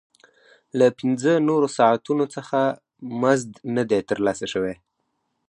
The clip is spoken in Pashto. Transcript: له پنځه نورو ساعتونو څخه مزد نه دی ترلاسه شوی